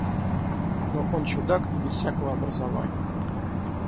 Но он чудак и без всякого образования.